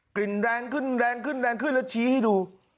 กลิ่นแรงขึ้นและชี้ให้ดู